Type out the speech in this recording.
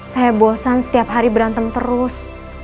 saya bosan setiap hari berantem terus